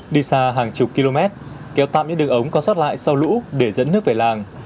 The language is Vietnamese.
đi xa hàng chục km kéo tạm những đường ống có xót lại sau lũ để dẫn nước về làng